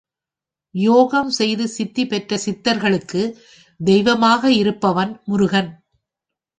யோகம் செய்து சித்தி பெற்ற சித்தர்களுக்கு தெய்வமாக இருப்பவன் முருகன்.